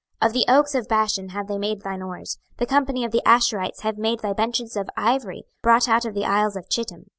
26:027:006 Of the oaks of Bashan have they made thine oars; the company of the Ashurites have made thy benches of ivory, brought out of the isles of Chittim.